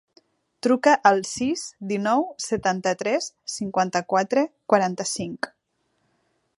Truca al sis, dinou, setanta-tres, cinquanta-quatre, quaranta-cinc.